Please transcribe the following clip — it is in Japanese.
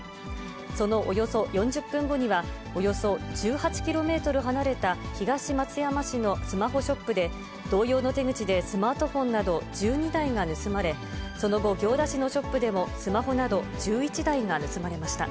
そのおよそ４０分後には、およそ１８キロメートル離れた東松山市のスマホショップで、同様の手口でスマートフォンなど１２台が盗まれ、その後、行田市のショップでも、スマホなど１１台が盗まれました。